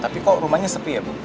tapi kok rumahnya sepi ya bu